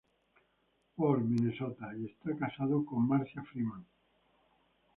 Paul, Minnesota y está casado con Marcia Freeman.